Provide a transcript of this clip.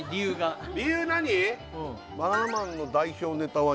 理由何？